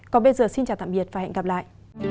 còn bây giờ xin chào tạm biệt và hẹn gặp lại